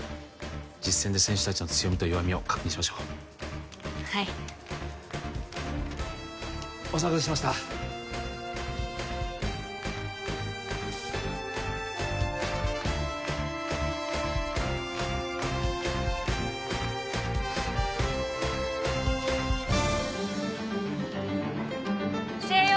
実践で選手たちの強みと弱みを確認しましょうはいお騒がせしました星葉